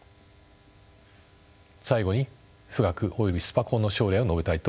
最後に富岳およびスパコンの将来を述べたいと思います。